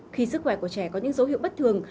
khi sức khỏe của trẻ có những dấu hiệu bất thường